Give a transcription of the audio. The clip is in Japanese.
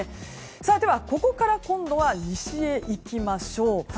さあ、ここから今度は西へ行きましょう。